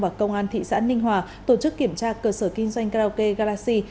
và công an thị xã ninh hòa tổ chức kiểm tra cơ sở kinh doanh karaoke garaxi